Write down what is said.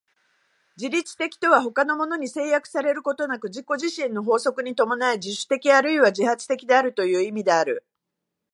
自律的とは他のものに制約されることなく自己自身の法則に従い、自主的あるいは自発的であるという意味である。